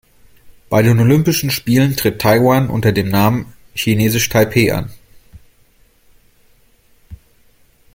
Bei den Olympischen Spielen tritt Taiwan unter dem Namen „Chinesisch Taipeh“ an.